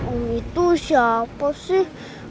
oh itu siapa sih